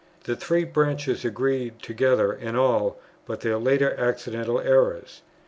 The three branches agreed together in all but their later accidental errors.